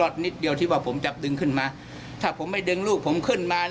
นิดเดียวที่ว่าผมจะดึงขึ้นมาถ้าผมไม่ดึงลูกผมขึ้นมา